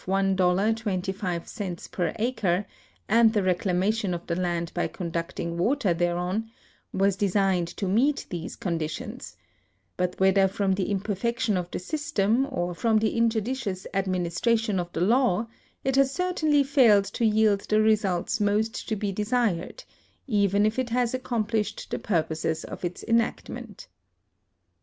25 per acre and the reclamation of the land by conducting water thereon, was designed to meet these conditions ; but whether from the imperfection of the system or from the injudicious administra tion of the law, it has certainly failed to yield the results most to be desired, even if it has accomplished the purposes of its enactment.